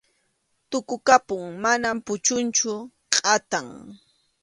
Tukukapun, mana puchunchu, kʼatam.